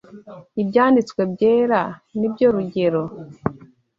Ibyanditswe Byera ni byo rugero